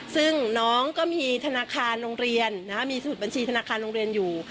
ซึ่งน้องก็มีธนาคารโรงเรียนมีสมุดบัญชีธนาคารโรงเรียนอยู่